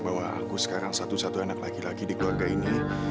bahwa aku sekarang satu satu anak laki laki di keluarga ini